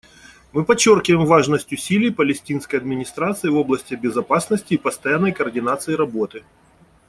Мы подчеркиваем важность усилий Палестинской администрации в области безопасности и постоянной координации работы.